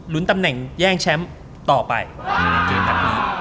คุณตำแหน่งแย่งแชมป์ต่อไป